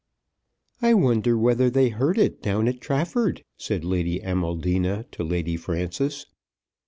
"I wonder whether they heard it down at Trafford," said Lady Amaldina to Lady Frances.